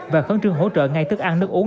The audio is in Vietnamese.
và khẩn trương hỗ trợ ngay thức ăn nước uống